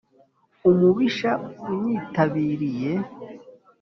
Umubisha unyitabiriye